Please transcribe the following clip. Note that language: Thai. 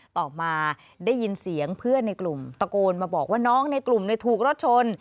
ต่อมาได้ยินเสียงเพื่อนในกลุ่มตะโกนมาบอกว่าน้องในกลุ่มถูกรถชน